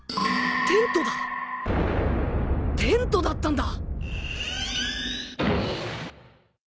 テントだテントだったんだ！